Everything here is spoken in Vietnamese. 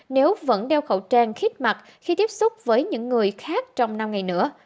nếu vẫn đeo khẩu trang khiết mặt khi tiếp xúc với những người khác trong năm ngày nữa